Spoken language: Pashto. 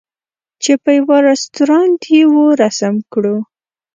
چې په یوه رستوران یې وو رسم کړو.